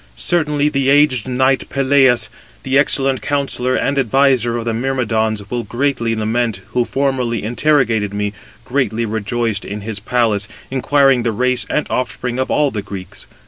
Certainly the aged knight Peleus, the excellent counsellor and adviser of the Myrmidons, will greatly lament, who formerly interrogated me, greatly rejoiced in his palace, inquiring the race and offspring of all the Greeks.